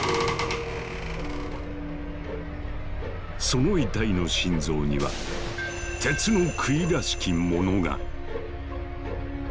その遺体の心臓には鉄の杭らしきものが！